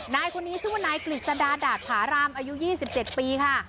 นายคนนี้ชื่อว่านายกฤษดาดาตผารามอายุ๒๗ปีค่ะ